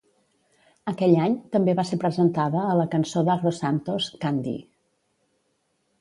Aquell any, també va ser presentada a la cançó d'Aggro Santos "Candy".